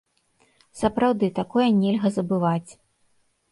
Сапраўды, такое нельга забываць.